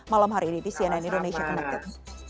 malam hari ini di cnn indonesia connected